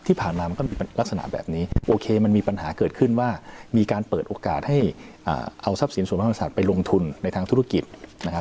ที่ผ่านมามันก็มีลักษณะแบบนี้โอเคมันมีปัญหาเกิดขึ้นว่ามีการเปิดโอกาสให้เอาทรัพย์สินส่วนพระมหาศาสตร์ไปลงทุนในทางธุรกิจนะครับ